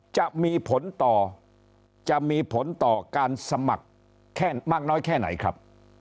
จะมีผลต่อการสมัครมากน้อยแค่ไหนครับ